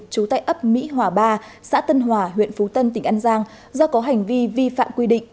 trú tại ấp mỹ hòa ba xã tân hòa huyện phú tân tỉnh an giang do có hành vi vi phạm quy định